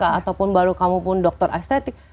ataupun baru kamu pun doktor estetik